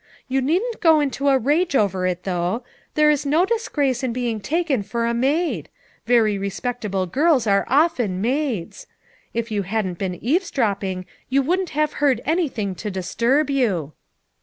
You needn't go into a rage over it, though ; there is no disgrace in being taken for a maid; very respectable girls are often maids. If you hadn't been eavesdropping you wouldn't have heard anything to disturb you."